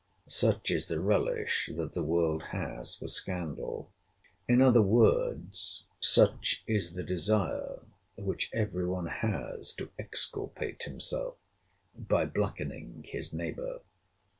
Such is the relish that the world has for scandal. In other words, such is the desire which every one has to exculpate himself by blackening his neighbour.